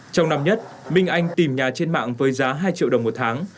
trong năm nhất minh anh tìm nhà trên mạng với giá hai triệu đồng một tháng